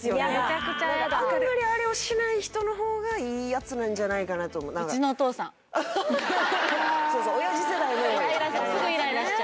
あんまりあれをしない人の方がいいヤツなんじゃないかなと思うそうそう親父世代にも多いもうはよ